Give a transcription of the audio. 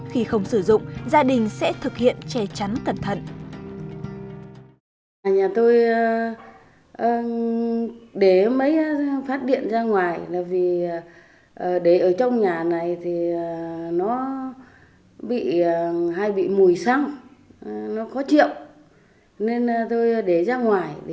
khi không sử dụng gia đình sẽ thực hiện che chắn cẩn thận